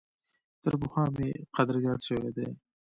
تر پخوا مي قدر زیات شوی دی .